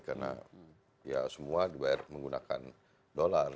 karena ya semua dibayar menggunakan dolar